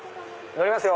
乗りますよ！